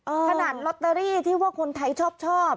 ขนาดลอตเตอรี่ที่ว่าคนไทยชอบ